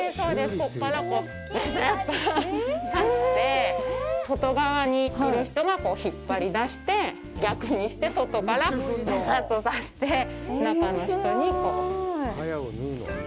ここから、ぶすっと刺して外側にいる人が引っ張り出して逆にして外から、ぶすっと刺して中の人に、こう。